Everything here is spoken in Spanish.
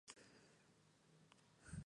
Ellos quedaron en segundo lugar.